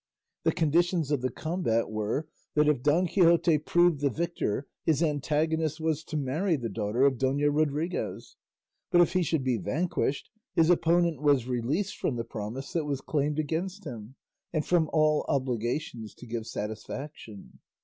The conditions of the combat were that if Don Quixote proved the victor his antagonist was to marry the daughter of Dona Rodriguez; but if he should be vanquished his opponent was released from the promise that was claimed against him and from all obligations to give satisfaction.